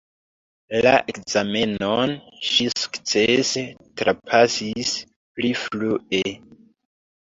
La ekzamenon ŝi sukcese trapasis pli frue.